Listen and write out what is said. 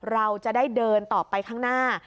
เราจะได้เดินต่อไปข้างหน้า